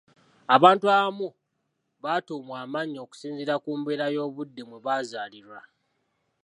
Abantu abamu batuumwa amannya okusinziira ku mbeera y’obudde mwe bazaalirwa.